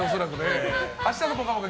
明日の「ぽかぽか」